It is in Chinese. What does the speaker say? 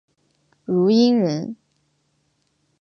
汝阴人。